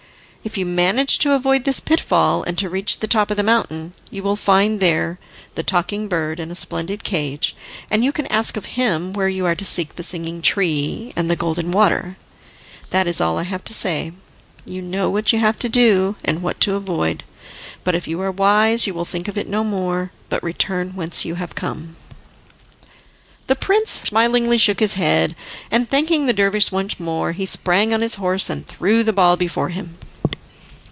If you manage to avoid this pitfall, and to reach the top of the mountain, you will find there the Talking Bird in a splendid cage, and you can ask of him where you are to seek the Singing Tree and the Golden Water. That is all I have to say. You know what you have to do, and what to avoid, but if you are wise you will think of it no more, but return whence you have come." The prince smilingly shook his head, and thanking the dervish once more, he sprang on his horse and threw the ball before him.